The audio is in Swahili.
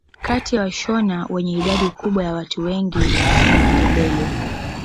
Kati ya washona wenye idadi kubwa ya watu wengi na Wandebele